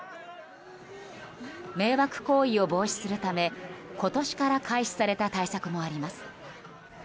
迷惑行為を防止するため今年から開始された対策もあります。